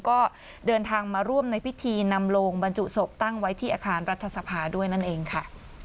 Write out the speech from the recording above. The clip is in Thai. ก็เดินทางมาร่วมในพิธีนำโลงบรรจุศพตั้งไว้ที่อาคารรัฐสภาด้วยนั่นเองค่ะ